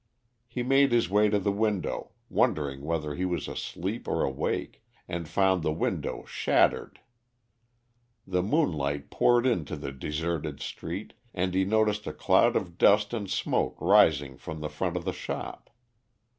He made his way to the window, wondering whether he was asleep or awake, and found the window shattered. The moonlight poured into the deserted street, and he noticed a cloud of dust and smoke rising from the front of the shop.